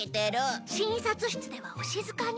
診察室ではお静かに。